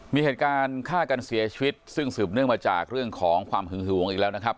มีเหตุการณ์ฆ่ากันเสียชีวิตซึ่งสืบเนื่องมาจากเรื่องของความหึงหวงอีกแล้วนะครับ